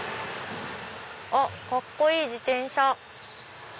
あっカッコいい自転車。